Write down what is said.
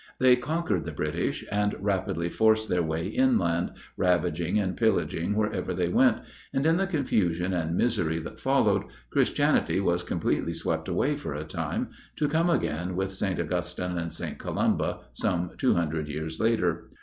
They conquered the British, and rapidly forced their way inland, ravaging and pillaging wherever they went; and in the confusion and misery that followed, Christianity was completely swept away for a time, to come again with St. Augustine and St. Columba some two hundred years later.